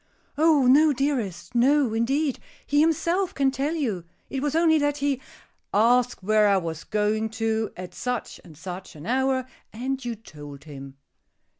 "Oh, no, dearest. No, indeed. He himself can tell you. It was only that he " "Asked where I was going to, at such and such an hour, and you told him."